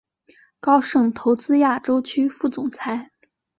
高盛投资亚洲区副总裁。